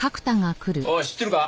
おい知ってるか？